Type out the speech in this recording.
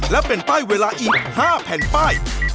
และเป็นป้ายเวลาอีก๕แผ่นป้าย